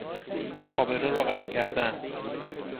مخابره را قطع کردن